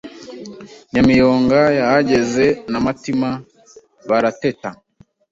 Nyamiyonga bahageze Na Matima barateta